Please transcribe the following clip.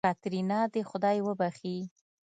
کاتېرينا دې خداى وبښي.